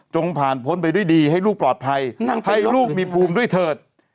ผ่านพ้นไปด้วยดีให้ลูกปลอดภัยให้ลูกมีภูมิด้วยเถิด